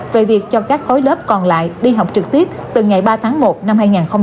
về việc cho các khối lớp còn lại đi học trực tiếp từ ngày ba tháng một năm hai nghìn hai mươi